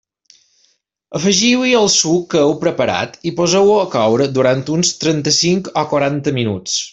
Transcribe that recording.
Afegiu-hi el suc que heu preparat i poseu-ho a coure durant uns trenta-cinc o quaranta minuts.